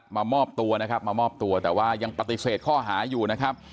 มามอบตัวนะครับมามอบตัวแต่ว่ายังปฏิเสธข้อหาอยู่นะครับ